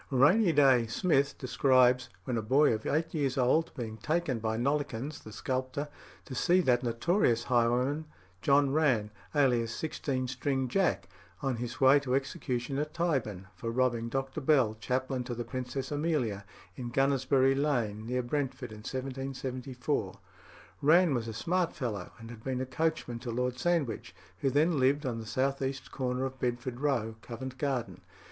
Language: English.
"Rainy Day" Smith describes, when a boy of eight years old, being taken by Nollekens, the sculptor, to see that notorious highwayman John Rann, alias "Sixteen string Jack," on his way to execution at Tyburn, for robbing Dr. Bell, chaplain to the Princess Amelia, in Gunnersbury Lane, near Brentford, in 1774. Rann was a smart fellow, and had been a coachman to Lord Sandwich, who then lived at the south east corner of Bedford Row, Covent Garden.